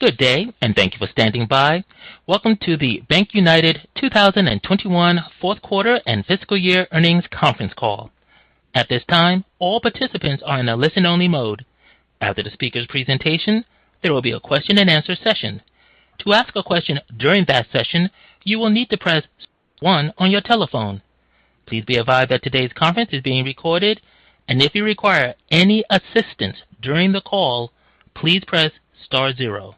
Good day, and thank you for standing by. Welcome to the BankUnited 2021 fourth quarter and fiscal year earnings conference call. At this time, all participants are in a listen-only mode. After the speaker's presentation, there will be a question-and-answer session. To ask a question during that session, you will need to press one on your telephone. Please be advised that today's conference is being recorded. If you require any assistance during the call, please press star zero.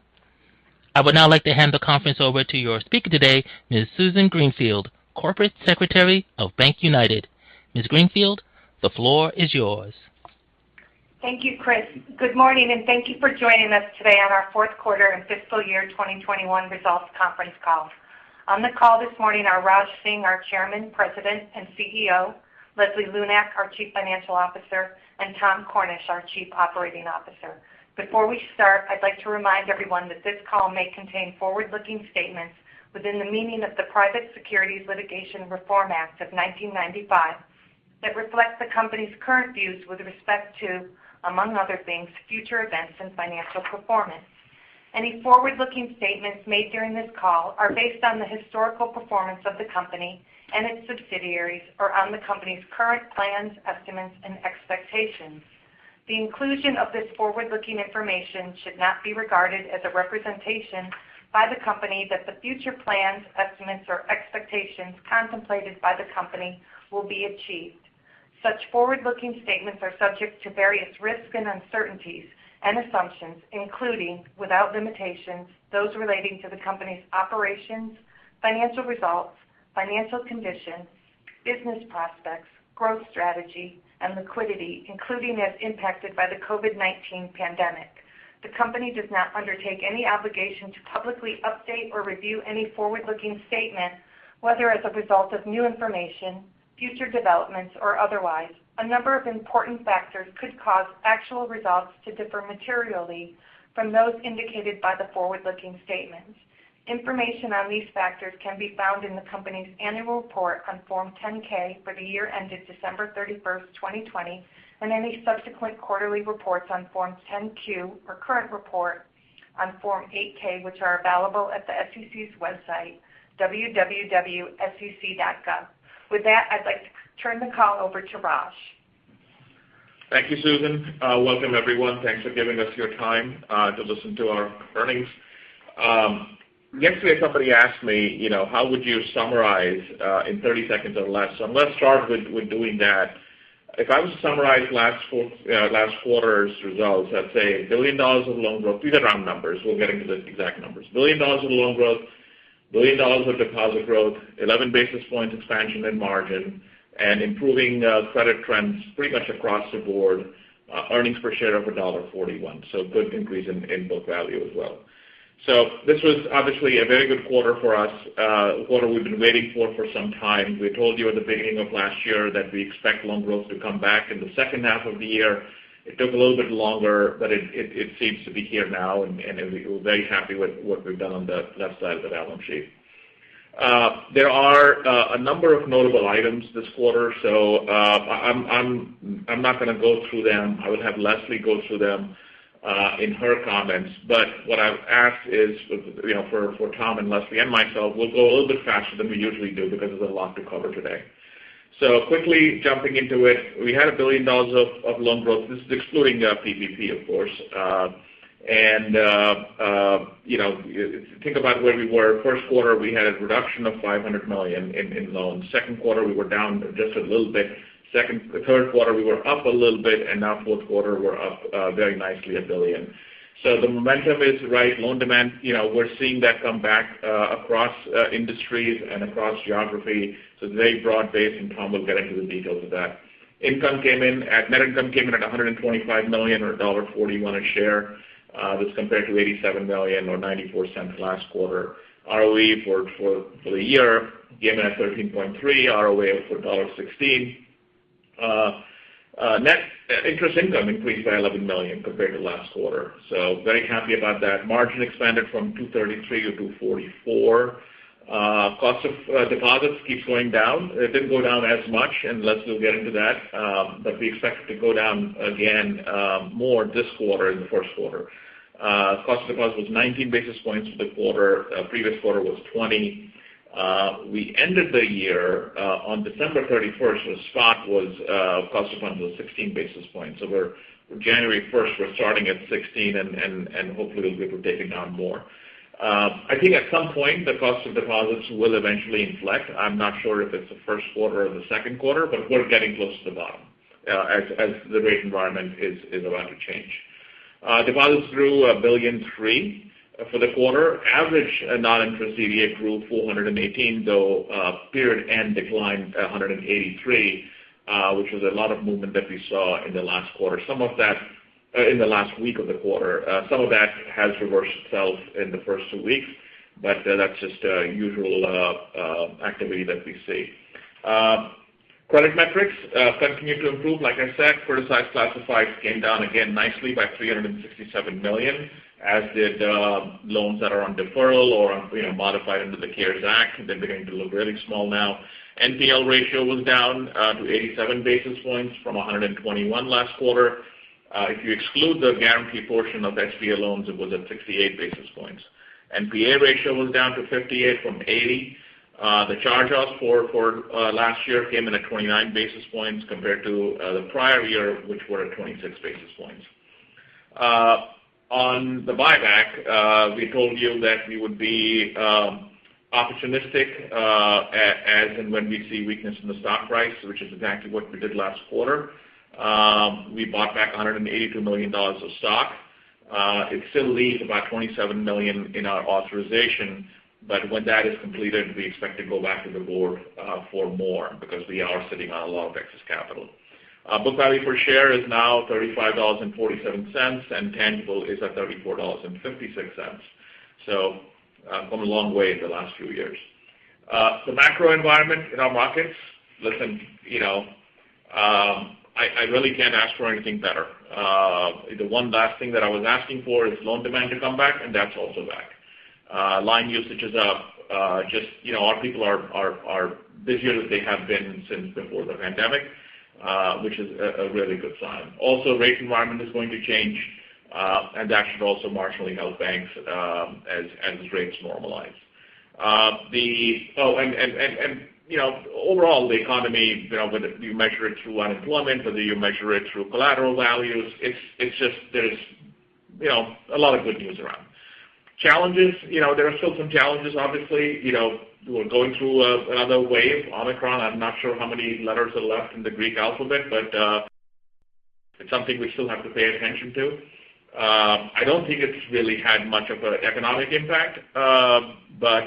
I would now like to hand the conference over to your speaker today, Ms. Susan Greenfield, Corporate Secretary of BankUnited. Ms. Greenfield, the floor is yours.F Thank you, Chris. Good morning, and thank you for joining us today on our fourth quarter and fiscal year 2021 results conference call. On the call this morning are Raj Singh, our Chairman, President, and CEO, Leslie Lunak, our Chief Financial Officer, and Thomas Cornish, our Chief Operating Officer. Before we start, I'd like to remind everyone that this call may contain forward-looking statements within the meaning of the Private Securities Litigation Reform Act of 1995 that reflect the company's current views with respect to, among other things, future events and financial performance. Any forward-looking statements made during this call are based on the historical performance of the company and its subsidiaries or on the company's current plans, estimates, and expectations. The inclusion of this forward-looking information should not be regarded as a representation by the company that the future plans, estimates, or expectations contemplated by the company will be achieved. Such forward-looking statements are subject to various risks and uncertainties and assumptions, including, without limitations, those relating to the company's operations, financial results, financial condition, business prospects, growth strategy, and liquidity, including as impacted by the COVID-19 pandemic. The company does not undertake any obligation to publicly update or review any forward-looking statement, whether as a result of new information, future developments, or otherwise. A number of important factors could cause actual results to differ materially from those indicated by the forward-looking statements. Information on these factors can be found in the company's Annual Report on Form 10-K for the year ended December 31st, 2020, and any subsequent quarterly reports on Form 10-Q or current report on Form 8-K, which are available at the SEC's website, www.sec.gov. With that, I'd like to turn the call over to Raj. Thank you, Susan. Welcome, everyone. Thanks for giving us your time to listen to our earnings. Yesterday somebody asked me, you know, how would you summarize in 30 seconds or less? Let's start with doing that. If I was to summarize last quarter's results, I'd say $1 billion of loan growth. These are round numbers. We'll get into the exact numbers. $1 billion of loan growth, $1 billion of deposit growth, 11 basis points expansion in margin, and improving credit trends pretty much across the board. Earnings per share of $1.41. Good increase in book value as well. This was obviously a very good quarter for us, a quarter we've been waiting for some time. We told you at the beginning of last year that we expect loan growth to come back in the second half of the year. It took a little bit longer, but it seems to be here now, and we're very happy with what we've done on the left side of the balance sheet. There are a number of notable items this quarter, so I'm not going to go through them. I would have Leslie go through them in her comments. What I've asked is for, you know, for Thomas and Leslie and myself, we'll go a little bit faster than we usually do because there's a lot to cover today. Quickly jumping into it. We had $1 billion of loan growth. This is excluding PPP, of course. You know, if you think about where we were first quarter, we had a reduction of $500 million in loans. Second quarter, we were down just a little bit. Third quarter, we were up a little bit, and now fourth quarter, we're up very nicely, $1 billion. The momentum is right. Loan demand, you know, we're seeing that come back across industries and across geography. Very broad-based, and Thomas will get into the details of that. Net income came in at $125 million or $1.41 a share. This compared to $87 million or $0.94 last quarter. ROE for the year came in at 13.3%. ROA up to 1.16%. Net interest income increased by $11 million compared to last quarter, so very happy about that. Margin expanded from 2.33% to 2.44%. Cost of deposits keeps going down. It didn't go down as much, and Leslie will get into that. But we expect it to go down again, more this quarter and the first quarter. Cost of deposits was 19 basis points for the quarter. Previous quarter was 20. We ended the year on December 31st. The spot cost of funds was 16 basis points. So we're starting January 1st at 16th and hopefully, we'll be able to take it down more. I think at some point, the cost of deposits will eventually inflect. I'm not sure if it's the first quarter or the second quarter, but we're getting close to the bottom as the rate environment is about to change. Deposits grew $1.3 billion for the quarter. Average noninterest DDA grew $418 million, though period end declined $183 million, which was a lot of movement that we saw in the last quarter. Some of that in the last week of the quarter. Some of that has reversed itself in the first two weeks, but that's just usual activity that we see. Credit metrics continue to improve. Like I said, criticized classifieds came down again nicely by $367 million, as did loans that are on deferral or, you know, modified under the CARES Act. They're beginning to look really small now. NPL ratio was down to 87 basis points from 121 last quarter. If you exclude the guarantee portion of SBA loans, it was at 68 basis points. NPA ratio was down to 58 - 80. The charge-offs for last year came in at 29 basis points compared to the prior year, which were at 26 basis points. On the buyback, we told you that we would be opportunistic as and when we see weakness in the stock price, which is exactly what we did last quarter. We bought back $182 million of stock. It still leaves about $27 million in our authorization, but when that is completed, we expect to go back to the board for more because we are sitting on a lot of excess capital. Book value per share is now $35.47, and tangible is at $34.56. I've come a long way in the last few years. The macro environment in our markets. Listen, you know, I really can't ask for anything better. The one last thing that I was asking for is loan demand to come back, and that's also back. Line usage is up, just, you know, our people are busier than they have been since before the pandemic, which is a really good sign. Also, rate environment is going to change, and that should also marginally help banks, as rates normalize. Oh, you know, overall, the economy, you know, whether you measure it through unemployment, whether you measure it through collateral values, it's just there's, you know, a lot of good news around. There are still some challenges obviously. You know, we're going through another wave, Omicron. I'm not sure how many letters are left in the Greek alphabet, but it's something we still have to pay attention to. I don't think it's really had much of an economic impact, but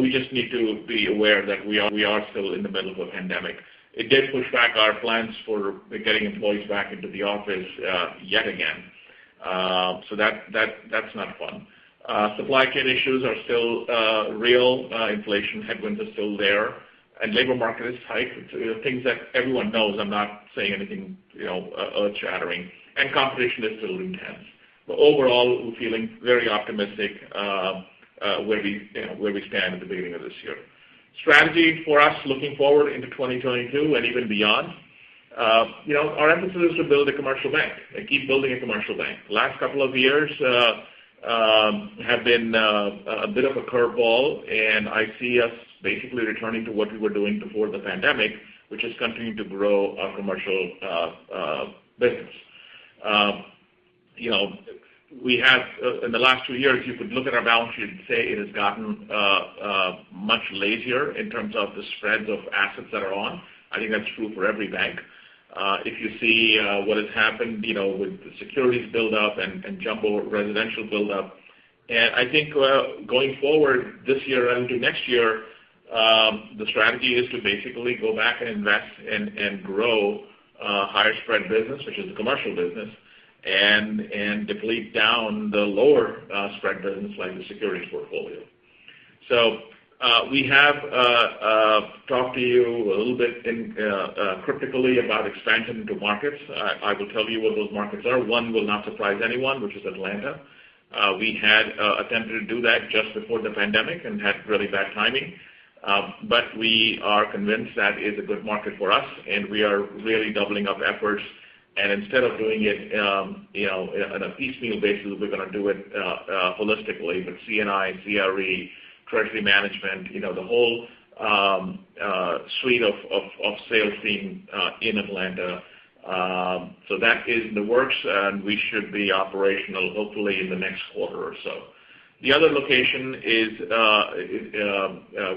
we just need to be aware that we are still in the middle of a pandemic. It did push back our plans for getting employees back into the office yet again. So that's not fun. Supply chain issues are still real. Inflation headwinds are still there, and labor market is tight. You know, things that everyone knows. I'm not saying anything, you know, earth-shattering. Competition is still intense. Overall, we're feeling very optimistic where we stand at the beginning of this year. Strategy for us looking forward into 2022 and even beyond, you know, our emphasis is to build a commercial bank and keep building a commercial bank. Last couple of years have been a bit of a curveball, and I see us basically returning to what we were doing before the pandemic, which is continuing to grow our commercial business. You know, we have, in the last two years, you could look at our balance sheet and say it has gotten much lazier in terms of the spreads of assets that are on. I think that's true for every bank. If you see what has happened, you know, with the securities buildup and jumbo residential buildup. I think going forward this year into next year, the strategy is to basically go back and invest and grow higher spread business, which is the commercial business, and deplete down the lower spread business like the securities portfolio. We have talked to you a little bit cryptically about expansion into markets. I will tell you what those markets are. One will not surprise anyone, which is Atlanta. We had attempted to do that just before the pandemic and had really bad timing. We are convinced that is a good market for us, and we are really doubling up efforts. Instead of doing it, you know, in a piecemeal basis, we're gonna do it holistically with C&I, CRE, treasury management, you know, the whole suite of sales team in Atlanta. That is in the works, and we should be operational hopefully in the next quarter or so. The other location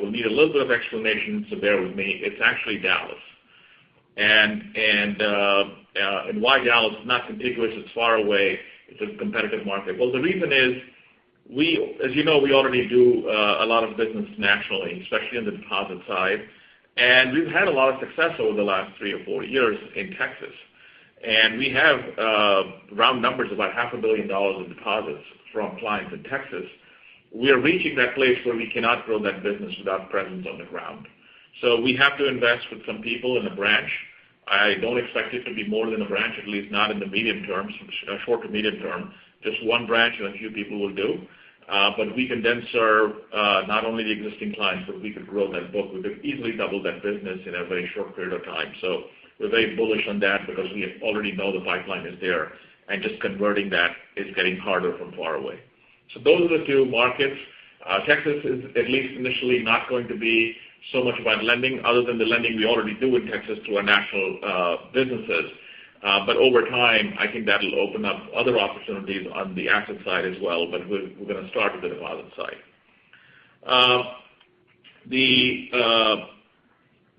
will need a little bit of explanation, so bear with me. It's actually Dallas. Why Dallas? It's not contiguous. It's far away. It's a competitive market. Well, the reason is as you know, we already do a lot of business nationally, especially in the deposit side. We've had a lot of success over the last three or four years in Texas. We have round numbers about half a billion dollars of deposits from clients in Texas. We are reaching that place where we cannot grow that business without presence on the ground. We have to invest with some people in a branch. I don't expect it to be more than a branch, at least not in the medium term, short to medium term. Just one branch and a few people will do. We can then serve not only the existing clients, but we could grow that book. We could easily double that business in a very short period of time. We're very bullish on that because we already know the pipeline is there, and just converting that is getting harder from far away. Those are the two markets. Texas is at least initially not going to be so much about lending other than the lending we already do in Texas to our national businesses. But over time, I think that'll open up other opportunities on the asset side as well, but we're gonna start with the deposit side.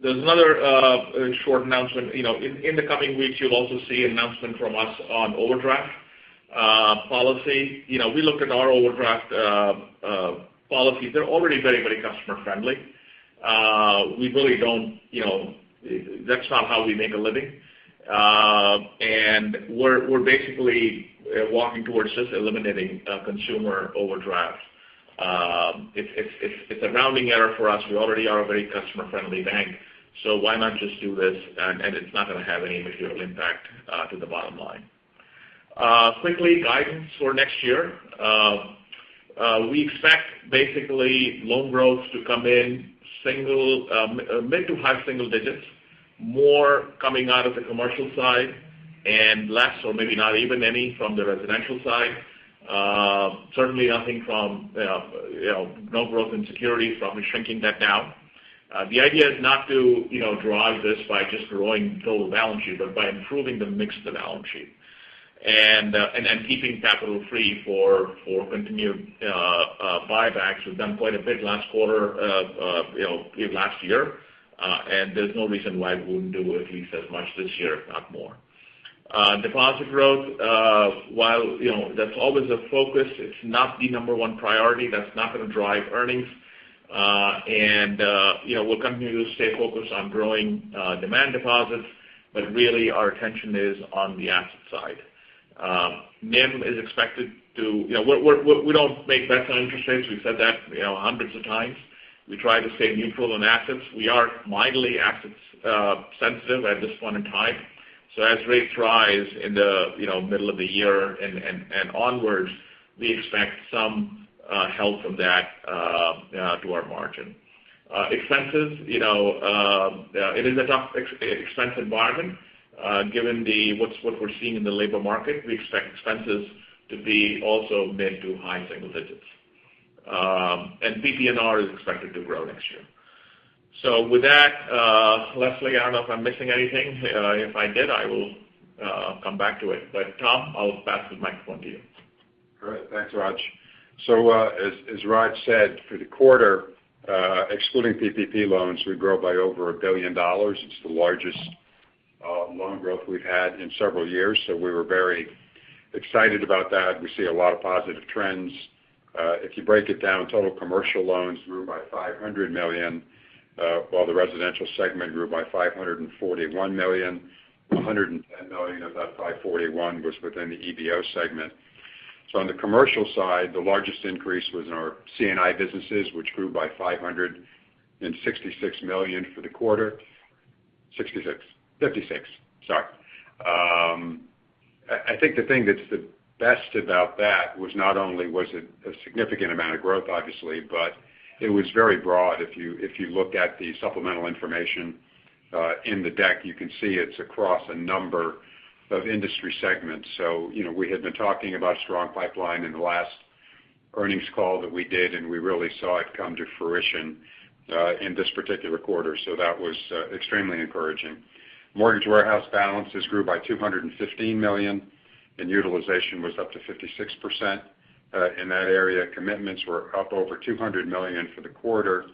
There's another short announcement. You know, in the coming weeks, you'll also see an announcement from us on overdraft policy. You know, we looked at our overdraft policies. They're already very, very customer-friendly. We really don't, you know. That's not how we make a living. And we're basically walking towards just eliminating consumer overdraft. It's a rounding error for us. We already are a very customer-friendly bank, so why not just do this? It's not gonna have any material impact to the bottom line. Quickly, guidance for next year. We expect basically loan growth to come in mid- to high-single digits, more coming out of the commercial side and less or maybe not even any from the residential side. Certainly nothing from, you know, no growth in securities, so I'll be shrinking that down. The idea is not to, you know, drive this by just growing total balance sheet, but by improving the mix of the balance sheet and keeping capital free for continued buybacks. We've done quite a bit last quarter, you know, last year, and there's no reason why we wouldn't do at least as much this year, if not more. Deposit growth, while you know that's always a focus, it's not the number one priority. That's not going to drive earnings. You know, we'll continue to stay focused on growing demand deposits, but really our attention is on the asset side. NIM is expected to, you know, we don't make bets on interest rates. We've said that, you know, hundreds of times. We try to stay neutral on assets. We are mildly asset sensitive at this point in time. As rates rise in the, you know, middle of the year and onwards, we expect some help from that to our margin. Expenses, you know, it is a tough expense environment, given what we're seeing in the labor market. We expect expenses to be also mid- to high-single digits. PPNR is expected to grow next year. With that, Leslie, I don't know if I'm missing anything. If I did, I will come back to it. Thomas, I'll pass the microphone to you. Great. Thanks, Raj. As Raj said, for the quarter, excluding PPP loans, we grew by over $1 billion. It's the largest loan growth we've had in several years. We were very excited about that. We see a lot of positive trends. If you break it down, total commercial loans grew by $500 million, while the residential segment grew by $541 million. $110 million of that $541 was within the EBO segment. On the commercial side, the largest increase was in our C&I businesses, which grew by $556 million for the quarter. I think the thing that's the best about that was not only was it a significant amount of growth, obviously, but it was very broad. If you look at the supplemental information in the deck, you can see it's across a number of industry segments. You know, we had been talking about a strong pipeline in the last earnings call that we did, and we really saw it come to fruition in this particular quarter. That was extremely encouraging. Mortgage warehouse balances grew by $215 million, and utilization was up to 56%. In that area, commitments were up over $200 million for the quarter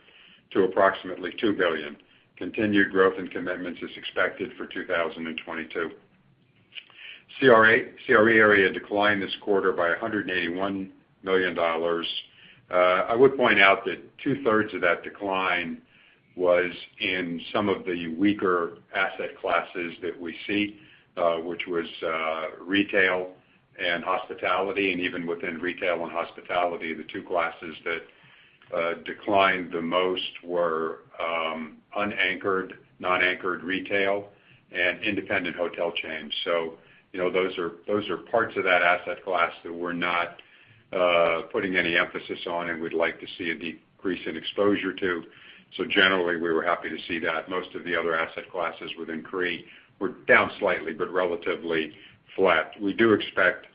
to approximately $2 billion. Continued growth in commitments is expected for 2022. CRE area declined this quarter by $181 million. I would point out that two-thirds of that decline was in some of the weaker asset classes that we see, which was retail and hospitality. Even within retail and hospitality, the two classes that declined the most were unanchored, non-anchored retail and independent hotel chains. You know, those are parts of that asset class that we're not putting any emphasis on and we'd like to see a decrease in exposure to. Generally, we were happy to see that most of the other asset classes within CRE were down slightly but relatively flat. We do expect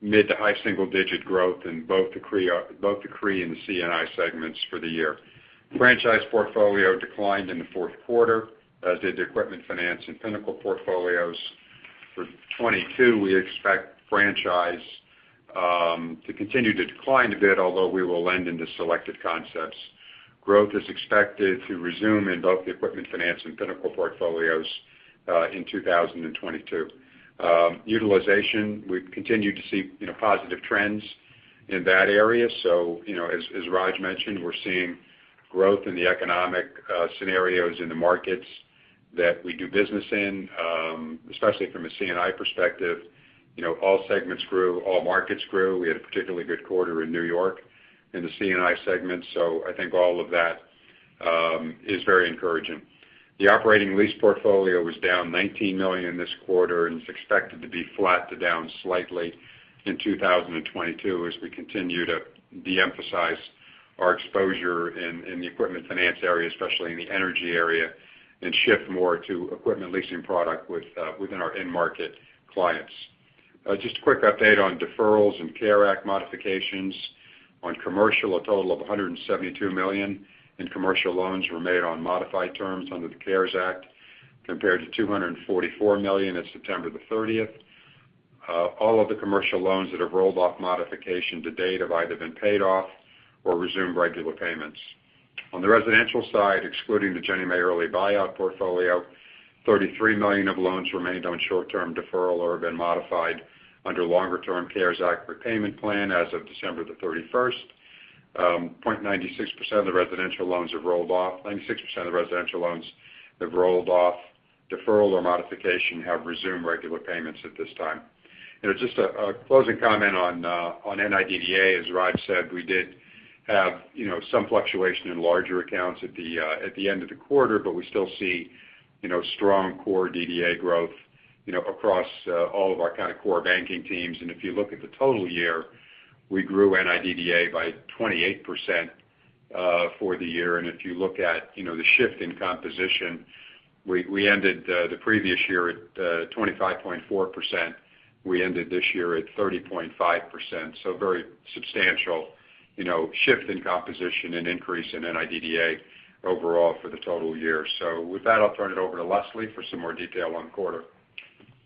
mid- to high-single-digit growth in both the CRE and the C&I segments for the year. Franchise portfolio declined in the fourth quarter, as did the equipment finance and Pinnacle portfolios. For 2022, we expect franchise to continue to decline a bit, although we will lend into selected concepts. Growth is expected to resume in both the equipment finance and Pinnacle portfolios in 2022. Utilization, we've continued to see, you know, positive trends in that area. You know, as Raj mentioned, we're seeing growth in the economic scenarios in the markets that we do business in, especially from a C&I perspective. You know, all segments grew, all markets grew. We had a particularly good quarter in New York in the C&I segment. I think all of that is very encouraging. The operating lease portfolio was down $19 million this quarter and is expected to be flat to down slightly in 2022 as we continue to de-emphasize our exposure in the equipment finance area, especially in the energy area, and shift more to equipment leasing product within our end market clients. Just a quick update on deferrals and CARES Act modifications. On commercial, a total of $172 million in commercial loans were made on modified terms under the CARES Act, compared to $244 million at September 30th. All of the commercial loans that have rolled off modification to date have either been paid off or resumed regular payments. On the residential side, excluding the Ginnie Mae early buyout portfolio, $33 million of loans remained on short-term deferral or have been modified under longer-term CARES Act repayment plan as of December 31st. 96% of the residential loans have rolled off deferral or modification have resumed regular payments at this time. Just a closing comment on DDA. As Raj said, we did have, you know, some fluctuation in larger accounts at the end of the quarter, but we still see, you know, strong core DDA growth, you know, across all of our kind of core banking teams. If you look at the total year, we grew DDA by 28% for the year. If you look at, you know, the shift in composition, we ended the previous year at 25.4%. We ended this year at 30.5%. Very substantial, you know, shift in composition and increase in DDA overall for the total year. With that, I'll turn it over to Leslie for some more detail on the quarter.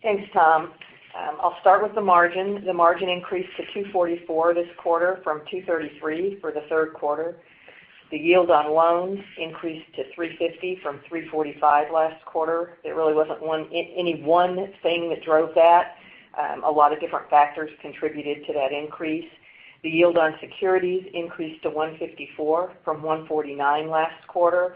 Thanks, Thomas. I'll start with the margin. The margin increased to 2.44% this quarter from 2.33% for the third quarter. The yield on loans increased to 3.50% - 3.45% last quarter. It really wasn't any one thing that drove that. A lot of different factors contributed to that increase. The yield on securities increased to 1.54% - 1.49% last quarter,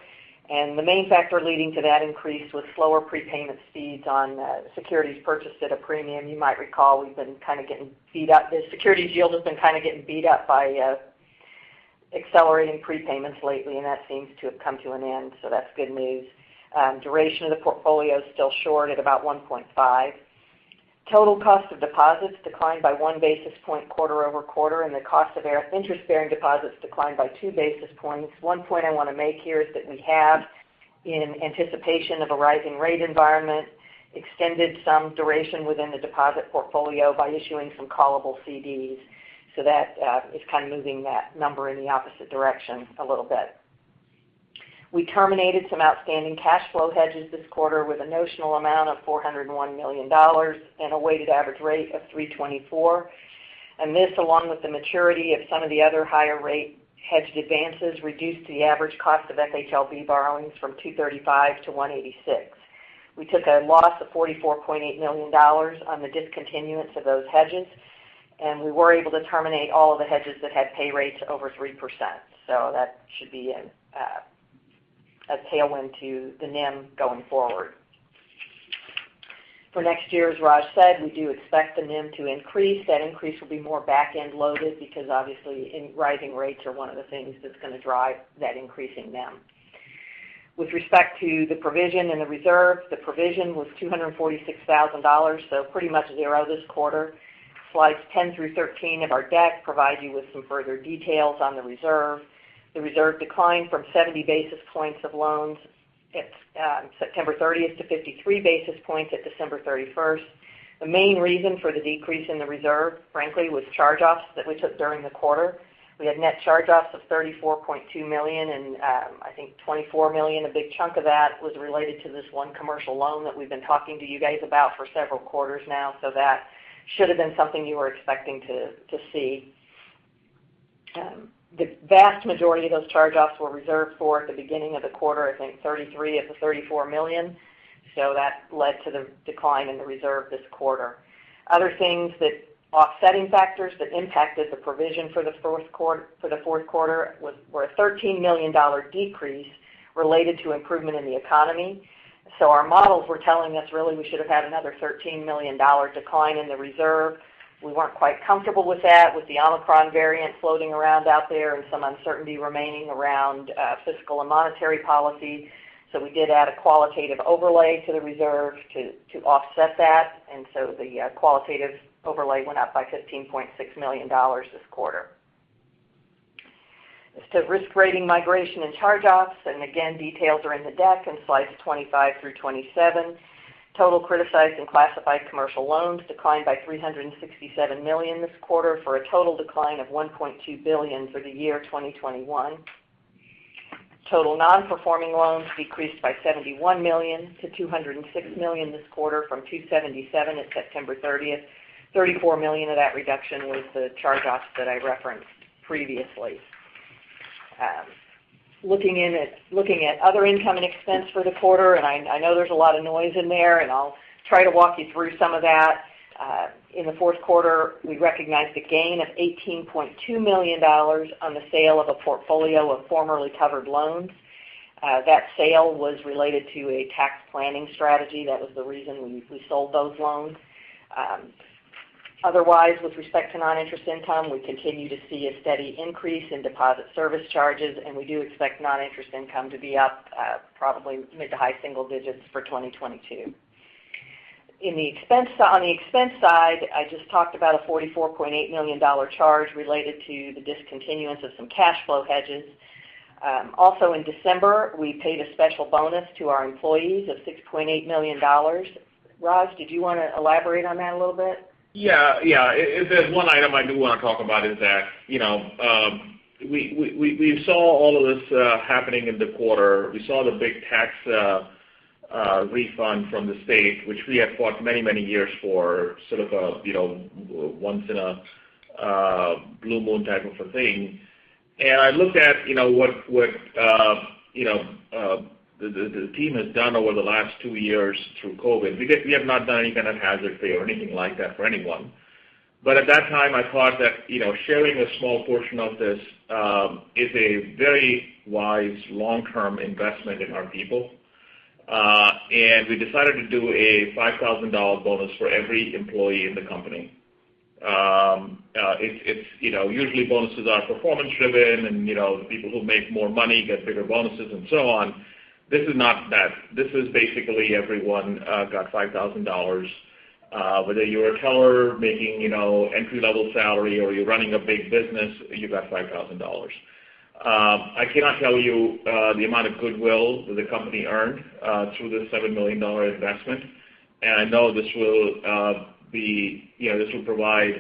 and the main factor leading to that increase was slower prepayment speeds on securities purchased at a premium. You might recall we've been kind of getting beat up. The securities yield has been kind of getting beat up by accelerating prepayments lately, and that seems to have come to an end. That's good news. Duration of the portfolio is still short at about 1.5. Total cost of deposits declined by one basis point quarter over quarter, and the cost of our interest-bearing deposits declined by twonone basis points. One point I want to make here is that we have, in anticipation of a rising rate environment, extended some duration within the deposit portfolio by issuing some callable CDs. That is kind of moving that number in the opposite direction a little bit. We terminated some outstanding cash flow hedges this quarter with a notional amount of $401 million and a weighted average rate of 3.24%. This, along with the maturity of some of the other higher rate hedged advances, reduced the average cost of FHLB borrowings from 2.35% - 1.86%. We took a loss of $44.8 million on the discontinuance of those hedges, and we were able to terminate all of the hedges that had pay rates over 3%. That should be a tailwind to the NIM going forward. For next year, as Raj said, we do expect the NIM to increase. That increase will be more back-end loaded because obviously in rising rates are one of the things that's going to drive that increase in NIM. With respect to the provision and the reserve, the provision was $246,000, so pretty much zero this quarter. Slides 10 through 13 of our deck provide you with some further details on the reserve. The reserve declined from 70 basis points of loans at September 30th to 53 basis points at December 31st. The main reason for the decrease in the reserve, frankly, was charge-offs that we took during the quarter. We had net charge-offs of $34.2 million and I think $24 million. A big chunk of that was related to this one commercial loan that we've been talking to you guys about for several quarters now. That should have been something you were expecting to see. The vast majority of those charge-offs were reserved for at the beginning of the quarter, I think 33 of the $34 million. That led to the decline in the reserve this quarter. Offsetting factors that impacted the provision for the fourth quarter were a $13 million decrease related to improvement in the economy. Our models were telling us really we should have had another $13 million decline in the reserve. We weren't quite comfortable with that with the Omicron variant floating around out there and some uncertainty remaining around fiscal and monetary policy. We did add a qualitative overlay to the reserve to offset that. The qualitative overlay went up by $15.6 million this quarter. As to risk rating migration and charge-offs, and again, details are in the deck in slides 25 through 27. Total criticized and classified commercial loans declined by $367 million this quarter for a total decline of $1.2 billion for the year 2021. Total non-performing loans decreased by $71 million - $206 million this quarter from $277 at September 30th. $34 million of that reduction was the charge-offs that I referenced previously. Looking at other income and expense for the quarter, and I know there's a lot of noise in there, and I'll try to walk you through some of that. In the fourth quarter, we recognized a gain of $18.2 million on the sale of a portfolio of formerly covered loans. That sale was related to a tax planning strategy. That was the reason we sold those loans. Otherwise, with respect to non-interest income, we continue to see a steady increase in deposit service charges, and we do expect non-interest income to be up, probably mid- to high-single digits for 2022. On the expense side, I just talked about a $44.8 million charge related to the discontinuance of some cash flow hedges. Also in December, we paid a special bonus to our employees of $6.8 million. Rajinder, did you want to elaborate on that a little bit? There's one item I do want to talk about is that, you know, we saw all of this happening in the quarter. We saw the big tax refund from the state, which we had fought many, many years for sort of a, you know, once in a blue moon type of a thing. I looked at, you know, what the team has done over the last two years through COVID. We have not done any kind of hazard pay or anything like that for anyone. At that time, I thought that, you know, sharing a small portion of this is a very wise long-term investment in our people, and we decided to do a $5,000 bonus for every employee in the company. It's, you know, usually bonuses are performance driven and, you know, the people who make more money get bigger bonuses and so on. This is not that. This is basically everyone got $5,000, whether you're a teller making, you know, entry-level salary or you're running a big business, you got $5,000. I cannot tell you the amount of goodwill that the company earned through the $7 million investment. I know this will, you know, this will provide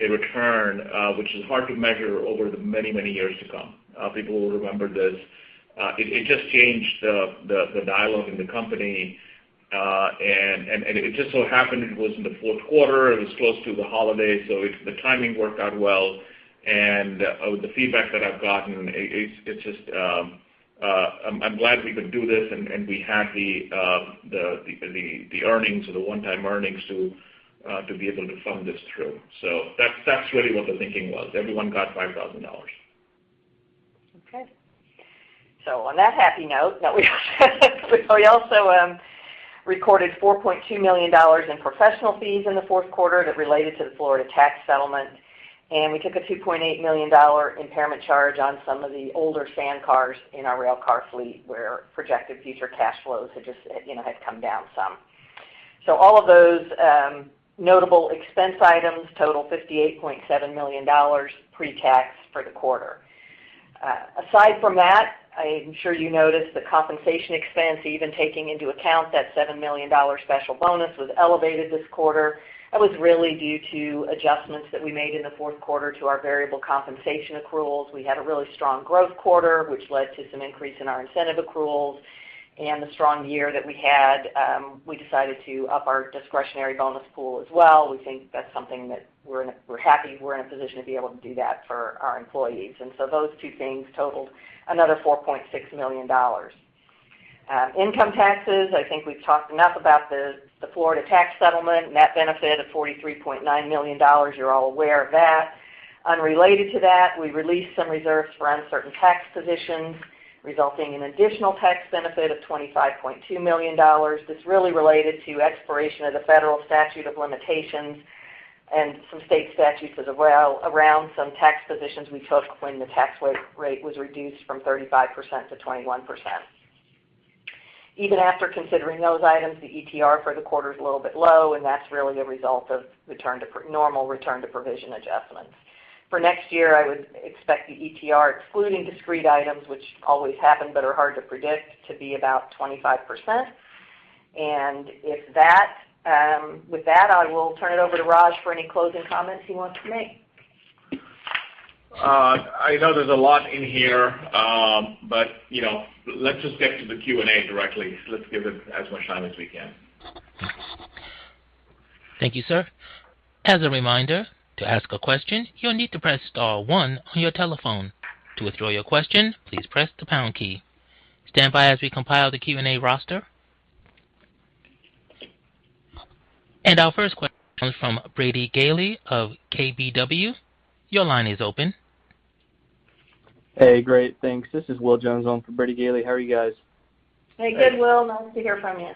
a return which is hard to measure over the many, many years to come. People will remember this. It just changed the dialogue in the company. It just so happened it was in the fourth quarter. It was close to the holidays, so the timing worked out well. The feedback that I've gotten, it's just, I'm glad we could do this, and we had the earnings or the one-time earnings to be able to fund this through. That's really what the thinking was. Everyone got $5,000. Okay. On that happy note, we also recorded $4.2 million in professional fees in the fourth quarter that related to the Florida tax settlement. We took a $2.8 million impairment charge on some of the older sand cars in our railcar fleet, where projected future cash flows had just, you know, come down some. All of those notable expense items total $58.7 million pre-tax for the quarter. Aside from that, I am sure you noticed the compensation expense, even taking into account that $7 million special bonus was elevated this quarter. That was really due to adjustments that we made in the fourth quarter to our variable compensation accruals. We had a really strong growth quarter, which led to some increase in our incentive accruals. The strong year that we had, we decided to up our discretionary bonus pool as well. We think that's something that we're happy we're in a position to be able to do that for our employees. Those two things totaled another $4.6 million. Income taxes, I think we've talked enough about the Florida tax settlement, net benefit of $43.9 million. You're all aware of that. Unrelated to that, we released some reserves for uncertain tax positions, resulting in additional tax benefit of $25.2 million. This really related to expiration of the federal statute of limitations and some state statutes as well around some tax positions we took when the tax rate was reduced from 35% - 21%. Even after considering those items, the ETR for the quarter is a little bit low, and that's really a result of return to provision adjustments. For next year, I would expect the ETR excluding discrete items, which always happen but are hard to predict, to be about 25%. With that, I will turn it over to Raj for any closing comments he wants to make. I know there's a lot in here, but, you know, let's just get to the Q&A directly. Let's give it as much time as we can. Thank you, sir. As a reminder, to ask a question, you'll need to press star one on your telephone. To withdraw your question, please press the pound key. Stand by as we compile the Q&A roster. Our first question comes from Brady Gailey of KBW. Your line is open. Hey, great. Thanks. This is Will Jones on for Brady Gailey. How are you guys? Hey, good, Will. Nice to hear from you.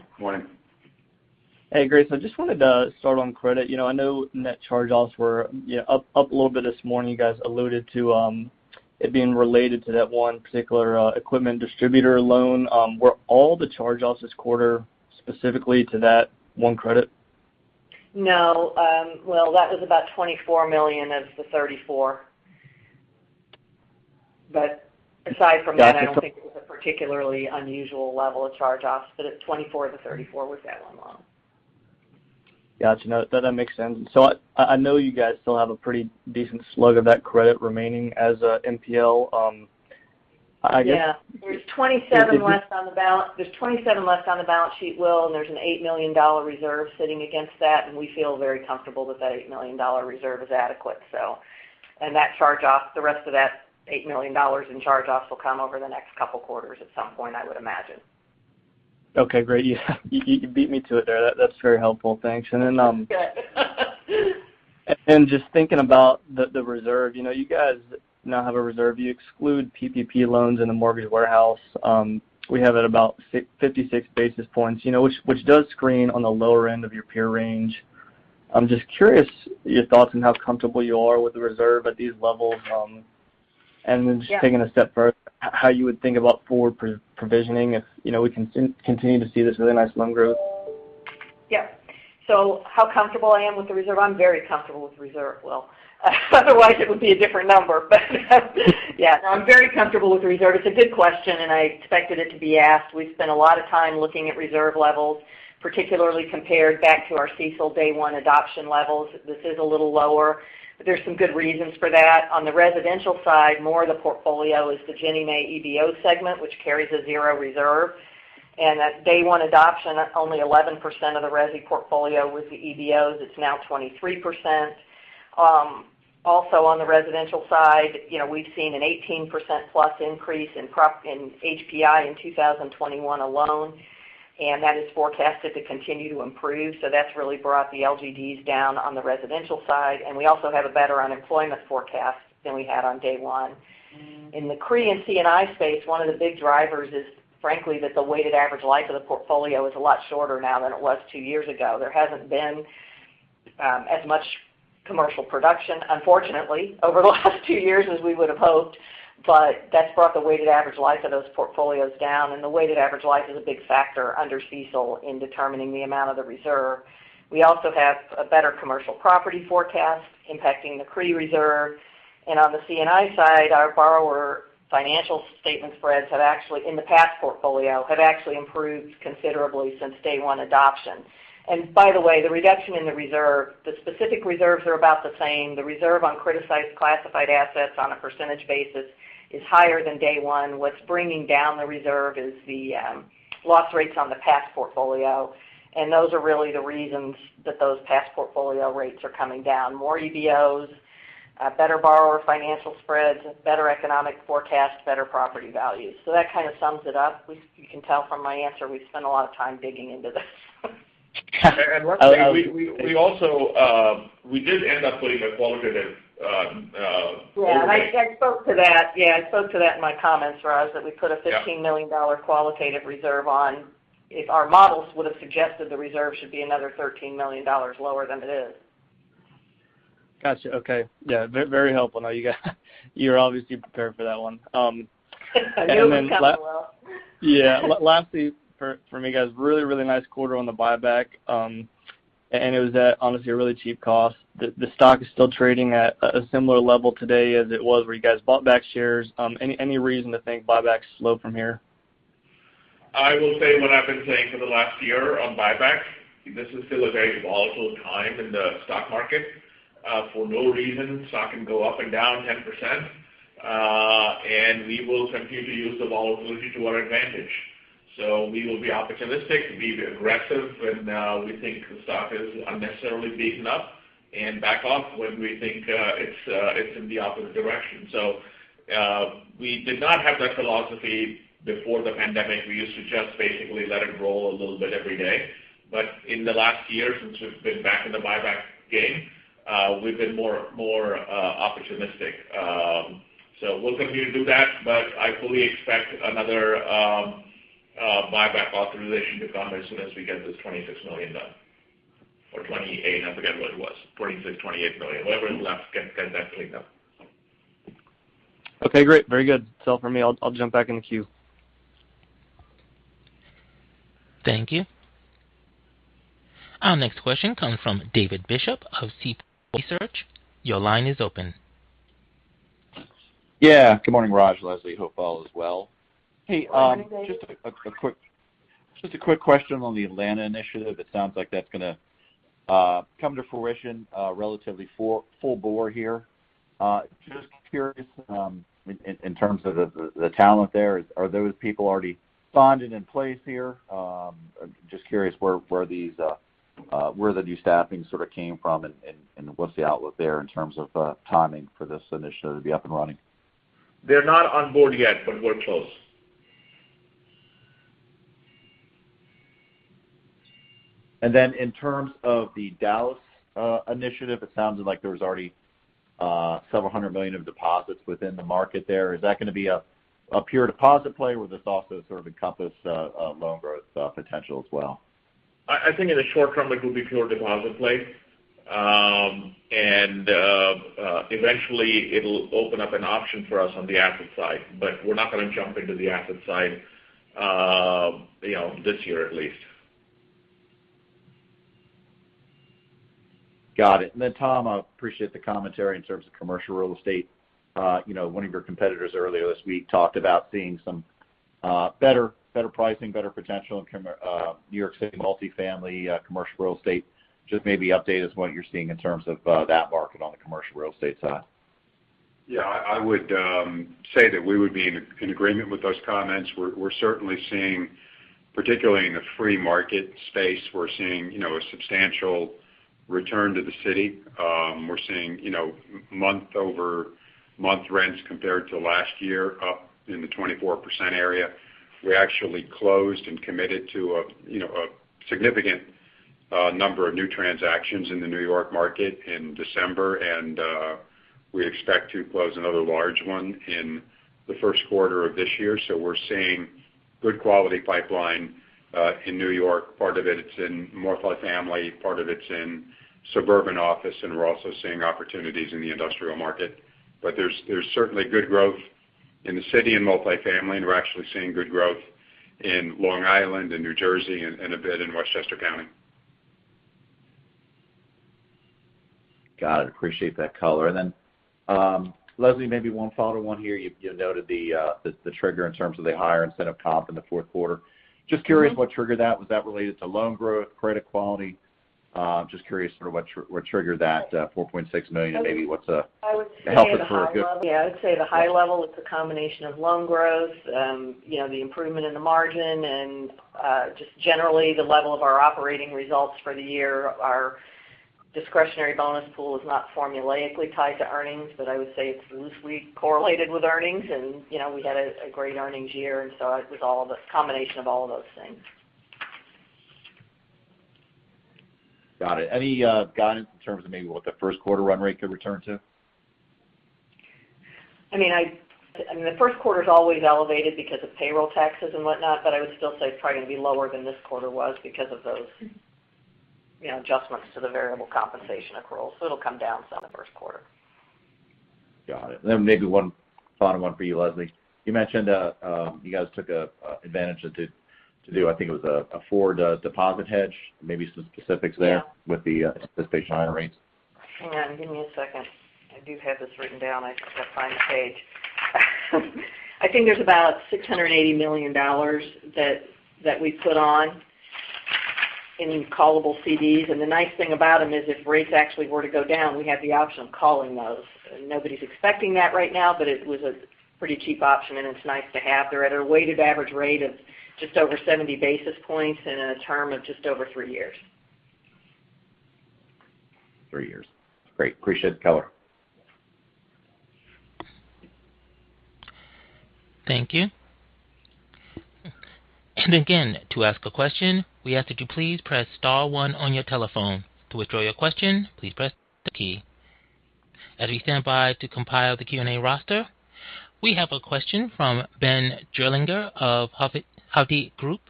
Morning. Hey, great. I just wanted to start on credit. You know, I know net charge-offs were, you know, up a little bit this morning. You guys alluded to it being related to that one particular equipment distributor loan. Were all the charge-offs this quarter specifically to that one credit? No. Will, that was about $24 million - $34 million. Aside from that, I don't think it was a particularly unusual level of charge-offs, but it's $24 million - $34 million was that one loan. Gotcha. No, that makes sense. I know you guys still have a pretty decent slug of that credit remaining as NPL, I guess. Yeah. There's 27 left on the balance sheet, Will, and there's an $8 million reserve sitting against that, and we feel very comfortable that that $8 million reserve is adequate. That charge-off, the rest of that $8 million in charge-offs will come over the next couple quarters at some point, I would imagine. Okay, great. You beat me to it there. That's very helpful. Thanks. Good. Just thinking about the reserve, you know, you guys now have a reserve. You exclude PPP loans in the mortgage warehouse. We have it about fifty-six basis points, you know, which does screen on the lower end of your peer range. I'm just curious your thoughts on how comfortable you are with the reserve at these levels, and then just taking a step further, how you would think about forward provisioning if, you know, we continue to see this really nice loan growth. Yeah. How comfortable I am with the reserve? I'm very comfortable with the reserve, Will. Otherwise, it would be a different number. Yeah, no, I'm very comfortable with the reserve. It's a good question, and I expected it to be asked. We've spent a lot of time looking at reserve levels, particularly compared back to our CECL Day One adoption levels. This is a little lower. There's some good reasons for that. On the residential side, more of the portfolio is the Ginnie Mae EBO segment, which carries a 0 reserve. At Day One adoption, only 11% of the resi portfolio was the EBOs. It's now 23%. Also on the residential side, you know, we've seen an 18%+ increase in HPI in 2021 alone, and that is forecasted to continue to improve. That's really brought the LGDs down on the residential side. We also have a better unemployment forecast than we had on Day One. In the CRE and C&I space, one of the big drivers is, frankly, that the weighted average life of the portfolio is a lot shorter now than it was two years ago. There hasn't been as much commercial production, unfortunately, over the last two years as we would have hoped. That's brought the weighted average life of those portfolios down, and the weighted average life is a big factor under CECL in determining the amount of the reserve. We also have a better commercial property forecast impacting the CRE reserve. On the C&I side, our borrower financial statement spreads have actually, in the past portfolio, have actually improved considerably since Day One adoption. By the way, the reduction in the reserve, the specific reserves are about the same. The reserve on criticized classified assets on a percentage basis is higher than day one. What's bringing down the reserve is the loss rates on the past portfolio, and those are really the reasons that those past portfolio rates are coming down. More EBOs, better borrower financial spreads, better economic forecast, better property values. That kind of sums it up. You can tell from my answer, we've spent a lot of time digging into this. One thing we also did end up putting a qualitative overlay. I spoke to that in my comments, Rajinder, that we put a $15 million qualitative reserve on if our models would have suggested the reserve should be another $13 million lower than it is. Got you. Okay. Yeah. Very helpful. Now you're obviously prepared for that one. I knew it was coming, Will. Yeah. Lastly for me, guys, really nice quarter on the buyback. It was at, honestly, a really cheap cost. The stock is still trading at a similar level today as it was when you guys bought back shares. Any reason to think buyback's slow from here? I will say what I've been saying for the last year on buyback. This is still a very volatile time in the stock market. For no reason, stock can go up and down 10%. We will continue to use the volatility to our advantage. We will be opportunistic, we'll be aggressive when we think the stock is unnecessarily beaten up and back off when we think it's in the opposite direction. We did not have that philosophy before the pandemic. We used to just basically let it roll a little bit every day. In the last year, since we've been back in the buyback game, we've been more opportunistic. We'll continue to do that, but I fully expect another buyback authorization to come as soon as we get this $26 million done or $28 million. I forget what it was. $26 million - $28 million, whatever is left gets actually done. Okay, great. Very good. That's all for me. I'll jump back in the queue. Thank you. Our next question comes from David Bishop of Seaport Research. Your line is open. Yeah. Good morning, Rajinder, Leslie. Hope all is well. Morning, David. Hey, just a quick question on the Atlanta initiative. It sounds like that's gonna come to fruition relatively full bore here. Just curious in terms of the talent there, are those people already bonded in place here? Just curious where the new staffing sort of came from and what's the outlook there in terms of timing for this initiative to be up and running? They're not on board yet, but we're close. In terms of the Dallas initiative, it sounds like there was already several hundred million of deposits within the market there. Is that gonna be a pure deposit play, or will this also sort of encompass loan growth potential as well? I think in the short term, it will be pure deposit play. Eventually it'll open up an option for us on the asset side. We're not gonna jump into the asset side, you know, this year at least. Got it. Thom, I appreciate the commentary in terms of commercial real estate. You know, one of your competitors earlier this week talked about seeing some better pricing, better potential in New York City multifamily commercial real estate. Just maybe update us what you're seeing in terms of that market on the commercial real estate side. Yeah. I would say that we would be in agreement with those comments. We're certainly seeing, particularly in the free market space, you know, a substantial return to the city. We're seeing, you know, month-over-month rents compared to last year up in the 24% area. We actually closed and committed to, you know, a significant number of new transactions in the New York market in December. We expect to close another large one in the first quarter of this year. We're seeing good quality pipeline in New York. Part of it's in multifamily, part of it's in suburban office, and we're also seeing opportunities in the industrial market. There's certainly good growth in the city and multifamily, and we're actually seeing good growth in Long Island and New Jersey and a bit in Westchester County. Got it. Appreciate that color. Leslie, maybe one follow-up here. You noted the trigger in terms of the higher incentive comp in the fourth quarter. Mm-hmm. Just curious what triggered that. Was that related to loan growth, credit quality? Just curious sort of what triggered that, $4.6 million and maybe what's helping it for a good- I would say at the high level, it's a combination of loan growth, you know, the improvement in the margin and just generally the level of our operating results for the year. Our discretionary bonus pool is not formulaically tied to earnings, but I would say it's loosely correlated with earnings. You know, we had a great earnings year, and so it was all the combination of all of those things. Got it. Any, guidance in terms of maybe what the first quarter run rate could return to? I mean, the first quarter is always elevated because of payroll taxes and whatnot, but I would still say it's probably going to be lower than this quarter was because of those, you know, adjustments to the variable compensation accrual. It'll come down from the first quarter. Got it. Maybe one final one for you, Leslie. You mentioned you guys took advantage to do, I think it was a forward deposit hedge. Maybe some specifics there with the anticipation on rates. Hang on, give me a second. I do have this written down. I just gotta find the page. I think there's about $680 million that we put on in callable CDs. The nice thing about them is if rates actually were to go down, we have the option of calling those. Nobody's expecting that right now, but it was a pretty cheap option, and it's nice to have. They're at a weighted average rate of just over 70 basis points and a term of just over three years. 3 years. Great. Appreciate the color. Thank you. Again, to ask a question, we ask that you please press star one on your telephone. To withdraw your question, please press the key. As we stand by to compile the Q&A roster, we have a question from Ben Gerlinger of Hovde Group.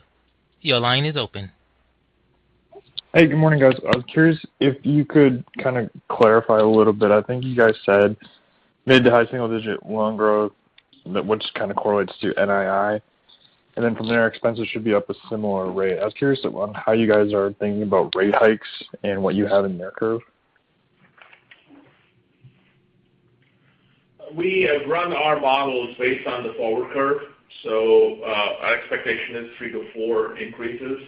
Your line is open. Hey, good morning, guys. I was curious if you could kind of clarify a little bit. I think you guys said mid- to high-single-digit loan growth, which kind of correlates to NII. From there, expenses should be up a similar rate. I was curious on how you guys are thinking about rate hikes and what you have in your curve. We have run our models based on the forward curve. Our expectation is 3-4 increases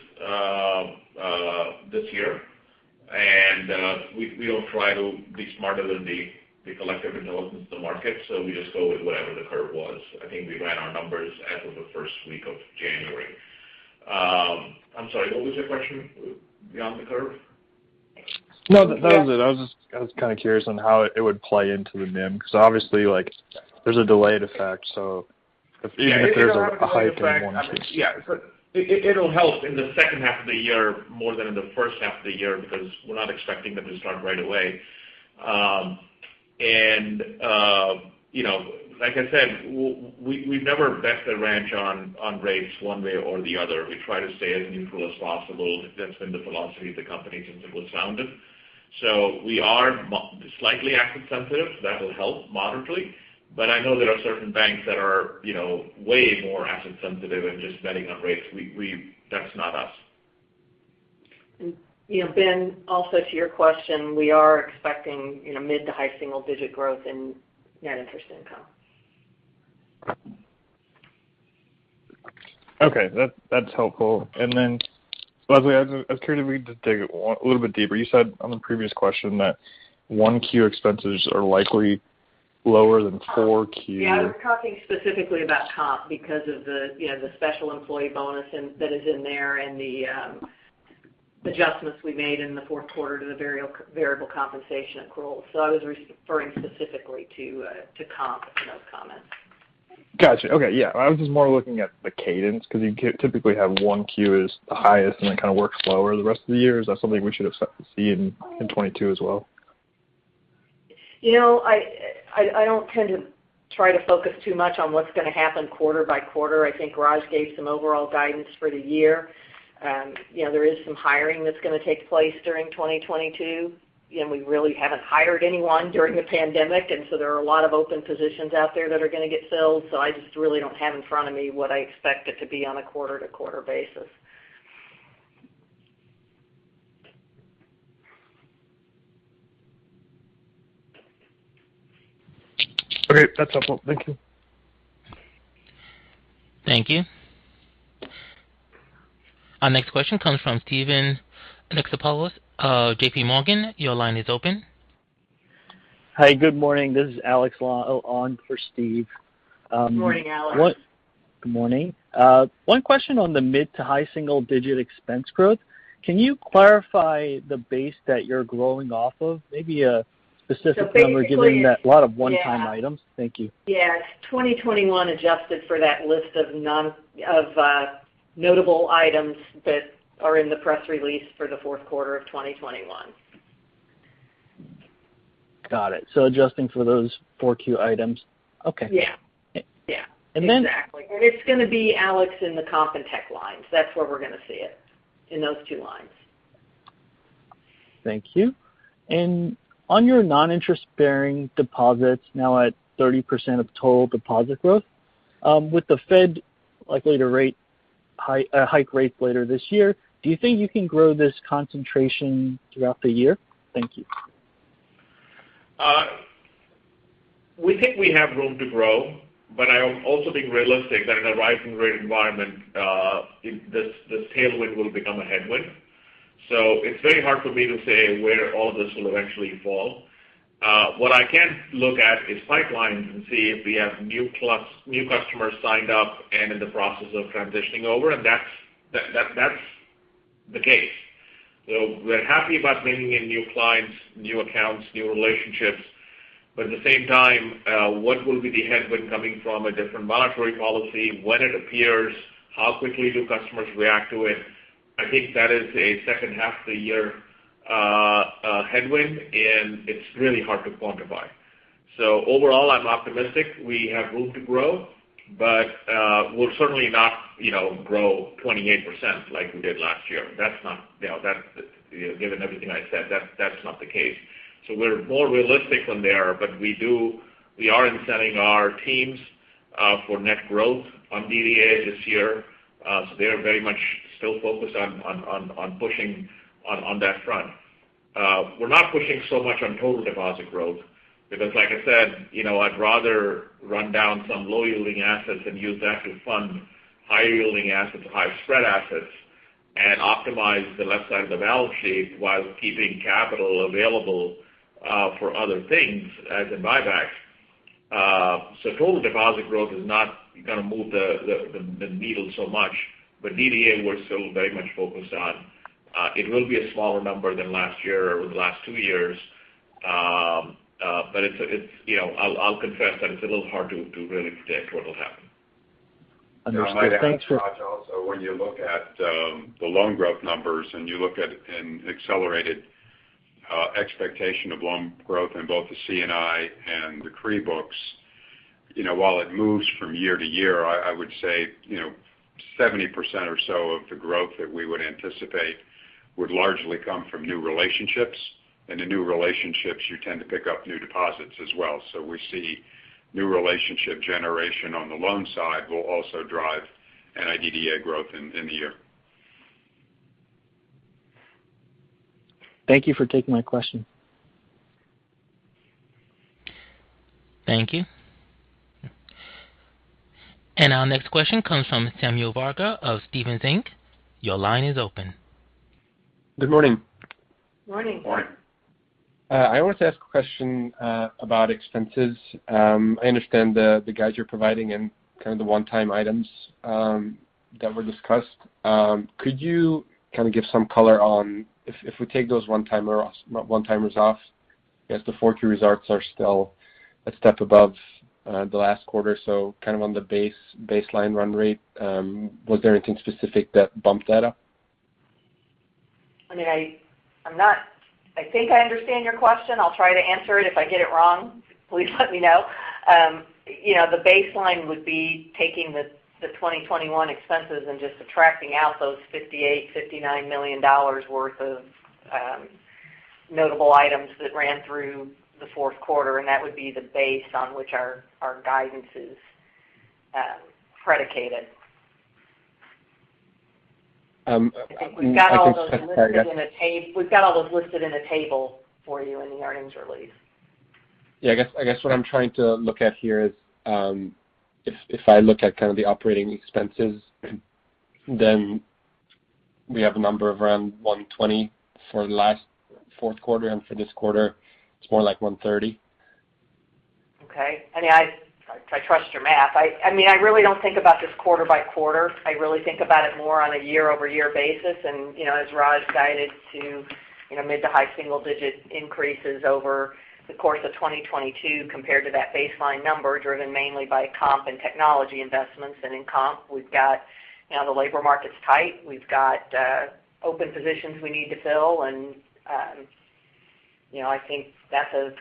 this year. We don't try to be smarter than the collective intelligence of the market, so we just go with whatever the curve was. I think we ran our numbers as of the first week of January. I'm sorry, what was your question beyond the curve? No, that was it. I was just kind of curious on how it would play into the NIM because obviously, like, there's a delayed effect. If even if there's a hike in one piece. Yeah. It'll help in the second half of the year more than in the first half of the year because we're not expecting them to start right away. You know, like I said, we've never bet the ranch on rates one way or the other. We try to stay as neutral as possible. That's been the philosophy of the company since it was founded. We are slightly asset sensitive. That will help moderately. I know there are certain banks that are, you know, way more asset sensitive and just betting on rates. That's not us. You know, Ben, also to your question, we are expecting, you know, mid- to high-single-digit growth in net interest income. Okay. That's helpful. Leslie, I was curious if we could just dig a little bit deeper. You said on the previous question that 1Q expenses are likely lower than 4Q. Yeah. I was talking specifically about comp because of the, you know, the special employee bonus that is in there and the adjustments we made in the fourth quarter to the variable compensation accrual. I was referring specifically to comp in those comments. Got you. Okay. Yeah. I was just more looking at the cadence because you typically have one Q as the highest, and it kind of works lower the rest of the year. Is that something we should expect to see in 2022 as well? You know, I don't tend to try to focus too much on what's going to happen quarter by quarter. I think Rajinder gave some overall guidance for the year. You know, there is some hiring that's going to take place during 2022. You know, we really haven't hired anyone during the pandemic, and so there are a lot of open positions out there that are going to get filled. I just really don't have in front of me what I expect it to be on a quarter-to-quarter basis. Okay. That's helpful. Thank you. Thank you. Our next question comes from Stephen Alexopoulos, JPMorgan. Your line is open. Hi. Good morning. This is Alex Lau for Steve. Good morning, Alex. Good morning. One question on the mid- to high-single-digit expense growth. Can you clarify the base that you're growing off of? Maybe a specific number, given that a lot of one-time items. Yeah. Thank you. Yes. 2021 adjusted for that list of notable items that are in the press release for the fourth quarter of 2021. Got it. Adjusting for those four Q items. Okay. Yeah. And then- Exactly. It's going to be, Alex, in the comp and tech lines. That's where we're going to see it, in those two lines. Thank you. On your non-interest-bearing deposits now at 30% of total deposit growth, with the Fed likely to hike rates later this year, do you think you can grow this concentration throughout the year? Thank you. We think we have room to grow, but I also think realistic that in a rising rate environment, this tailwind will become a headwind. It's very hard for me to say where all this will eventually fall. What I can look at is pipelines and see if we have new customers signed up and in the process of transitioning over, and that's the case. We're happy about bringing in new clients, new accounts, new relationships. At the same time, what will be the headwind coming from a different monetary policy? When it appears, how quickly do customers react to it? I think that is a second half of the year headwind, and it's really hard to quantify. Overall, I'm optimistic. We have room to grow, but we'll certainly not, you know, grow 28% like we did last year. That's not, you know, given everything I said, that's not the case. We're more realistic than there, but we are incenting our teams for net growth on DDA this year. They are very much still focused on pushing on that front. We're not pushing so much on total deposit growth because like I said, you know, I'd rather run down some low-yielding assets and use that to fund higher-yielding assets or high spread assets and optimize the left side of the balance sheet while keeping capital available for other things as in buybacks. Total deposit growth is not gonna move the needle so much. DDA, we're still very much focused on. It will be a smaller number than last year or the last two years. It's, you know, I'll confess that it's a little hard to really predict what'll happen. Understood. Thanks for I might add, Raj, also, when you look at the loan growth numbers and you look at an accelerated expectation of loan growth in both the C&I and the CRE books, you know, while it moves from year to year, I would say, you know, 70% or so of the growth that we would anticipate would largely come from new relationships. In the new relationships, you tend to pick up new deposits as well. We see new relationship generation on the loan side will also drive DDA growth in the year. Thank you for taking my question. Thank you. Our next question comes from Samuel Varga of Stephens Inc. Your line is open. Good morning. Morning. Morning. I wanted to ask a question about expenses. I understand the guides you're providing and kind of the one-time items that were discussed. Could you kind of give some color on if we take those one-timers off, I guess the 4Q results are still a step above the last quarter. Kind of on the baseline run rate, was there anything specific that bumped that up? I mean, I think I understand your question. I'll try to answer it. If I get it wrong, please let me know. You know, the baseline would be taking the 2021 expenses and just subtracting out those $58-$59 million worth of notable items that ran through the fourth quarter, and that would be the base on which our guidance is predicated. I think we. We've got all those listed in a table for you in the earnings release. I guess what I'm trying to look at here is, if I look at kind of the operating expenses, then we have a number of around $120 million for the last fourth quarter, and for this quarter it's more like $130 million. Okay. I mean, I trust your math. I mean, I really don't think about this quarter by quarter. I really think about it more on a year-over-year basis. You know, as Rajinder guided to, you know, mid- to high-single-digit increases over the course of 2022 compared to that baseline number driven mainly by comp and technology investments. In comp, we've got, you know, the labor market's tight. We've got open positions we need to fill. You know, I think that's a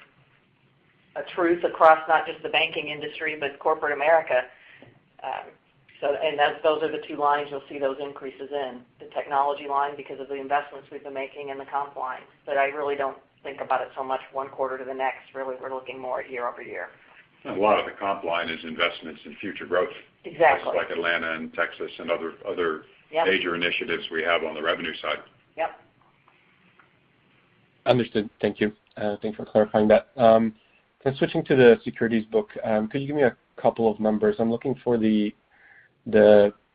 truth across not just the banking industry but corporate America. Those are the two lines you'll see those increases in, the technology line because of the investments we've been making and the comp line. I really don't think about it so much one quarter to the next. Really, we're looking more year over year. A lot of the comp line is investments in future growth. Exactly. Just like Atlanta and Texas and other Yep. major initiatives we have on the revenue side. Yep. Understood. Thank you. Thanks for clarifying that. Switching to the securities book, could you give me a couple of numbers? I'm looking for the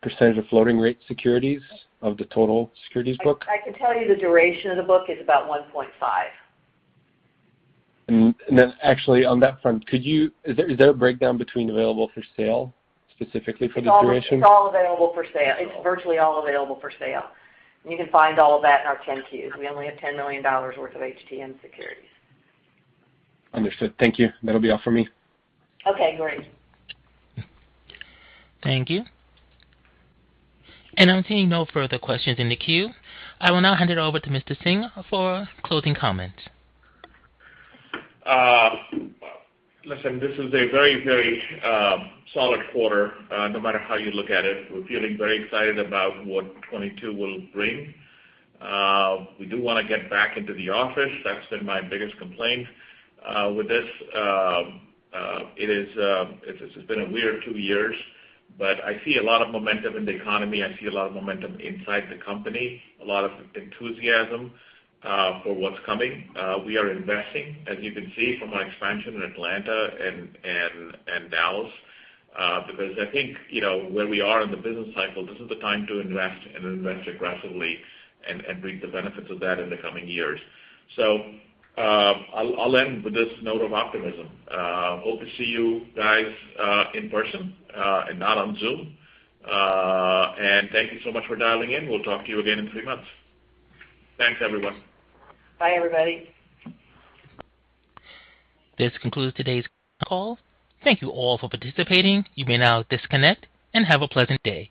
percentage of floating rate securities of the total securities book. I can tell you the duration of the book is about 1.5. Actually on that front, is there a breakdown between available for sale specifically for the duration? It's all available for sale. It's virtually all available for sale. You can find all of that in our 10-Qs. We only have $10 million worth of HTM securities. Understood. Thank you. That'll be all for me. Okay, great. Thank you. I'm seeing no further questions in the queue. I will now hand it over to Mr. Singh for closing comments. Listen, this is a very solid quarter, no matter how you look at it. We're feeling very excited about what 2022 will bring. We do wanna get back into the office. That's been my biggest complaint with this. It's been a weird two years. I see a lot of momentum in the economy. I see a lot of momentum inside the company, a lot of enthusiasm for what's coming. We are investing, as you can see from our expansion in Atlanta and Dallas, because I think, you know, where we are in the business cycle, this is the time to invest and invest aggressively and reap the benefits of that in the coming years. I'll end with this note of optimism. Hope to see you guys in person and not on Zoom. Thank you so much for dialing in. We'll talk to you again in three months. Thanks, everyone. Bye, everybody. This concludes today's call. Thank you all for participating. You may now disconnect and have a pleasant day.